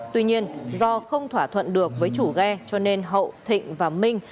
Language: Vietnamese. tuy nhiên do không thỏa thuận được với chủ ghe cho nên hậu thịnh và minh